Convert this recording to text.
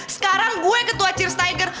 sekarang gue ketua cheers tiger